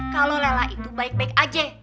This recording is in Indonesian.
kalau lela itu baik baik aja